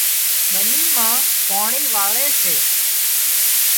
ٻني مان پاڻي واۯي سي